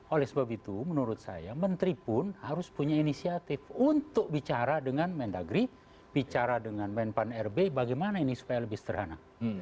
oleh sebab itu menurut saya menteri pun harus punya inisiatif untuk bicara dengan mendagri bicara dengan menpan rb bagaimana ini supaya lebih sederhana